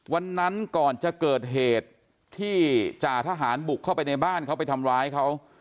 วันนั้นก่อนจะเกิดเหตุที่จ่าทหารบุกเข้าไปในบ้านเขาไปทำร้ายเขา